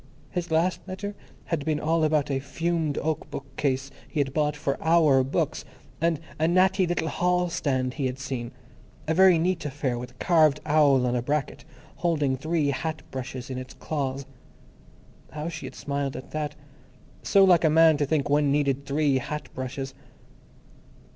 His last letter had been all about a fumed oak bookcase he had bought for "our" books, and a "natty little hall stand" he had seen, "a very neat affair with a carved owl on a bracket, holding three hat brushes in its claws." How she had smiled at that! So like a man to think one needed three hat brushes!